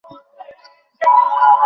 তোমার কবে চাই?